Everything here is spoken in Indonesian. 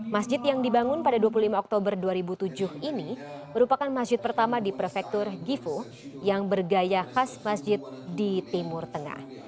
masjid yang dibangun pada dua puluh lima oktober dua ribu tujuh ini merupakan masjid pertama di prefektur givo yang bergaya khas masjid di timur tengah